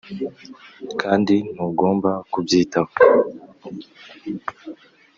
kandi ntugomba kubyitaho.